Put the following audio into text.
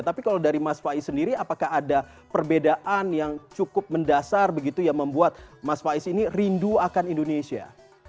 tapi kalau dari mas faiz sendiri apakah ada perbedaan yang cukup mendasar begitu yang membuat mas faiz ini rindu akan indonesia